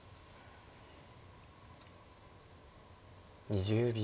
２０秒。